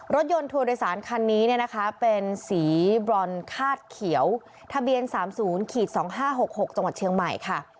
รถยนต์ทัวร์โดยสารคันนี้เนี่ยนะคะเป็นสีบรอนคาดเขียวทะเบียน๓๐๒๕๖๖จังหวัดเชียงใหม่ค่ะ